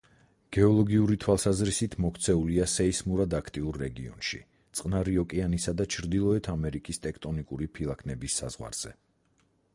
გეოლოგიური თვალსაზრისით მოქცეულია სეისმურად აქტიურ რეგიონში, წყნარი ოკეანისა და ჩრდილოეთ ამერიკის ტექტონიკური ფილაქნების საზღვარზე.